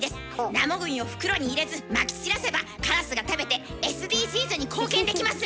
生ゴミを袋に入れずまき散らせばカラスが食べてＳＤＧｓに貢献できます！